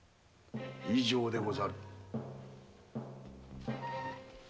以上でござる。